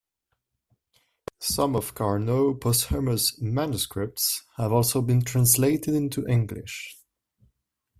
Some of Carnot's posthumous manuscripts have also been translated into English.